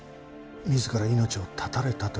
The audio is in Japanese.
自ら命を絶たれたという事ですか？